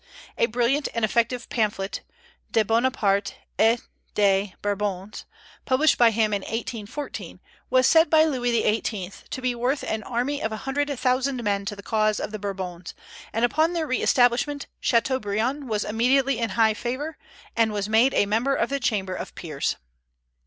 A brilliant and effective pamphlet, "De Bonaparte et des Bourbons," published by him in 1814, was said by Louis XVIII. to be worth an army of a hundred thousand men to the cause of the Bourbons; and upon their re establishment Chateaubriand was immediately in high favor, and was made a member of the Chamber of Peers.